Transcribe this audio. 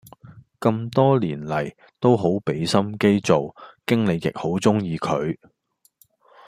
咁多年黎都好俾心機做，經理亦好鍾意佢